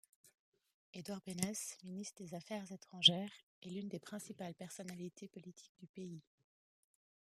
Edvard Beneš, ministre des affaires étrangères, est l'une des principales personnalités politiques du pays.